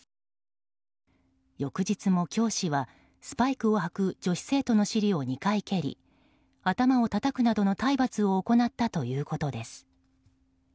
翌日も教師はスパイクを履く女子生徒の尻を２回蹴り頭をたたくなどの体罰を行ったということです。